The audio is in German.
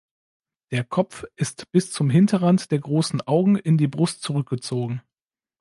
Der Kopf ist bis zum Hinterrand der großen Augen in die Brust zurückgezogen.